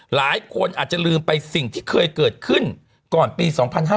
หลายคนอาจจะลืมไปสิ่งที่เคยเกิดขึ้นก่อนปี๒๕๕๙